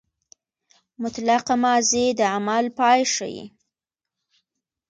مطلقه ماضي د عمل پای ښيي.